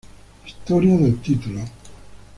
Historia del Título.